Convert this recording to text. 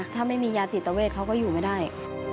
ถ้าไม่มียาจิตเวทเขาก็อยู่ไม่ได้